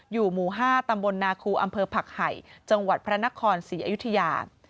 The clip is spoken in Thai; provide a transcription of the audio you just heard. หมู่๕ตำบลนาคูอำเภอผักไห่จังหวัดพระนครศรีอยุธยา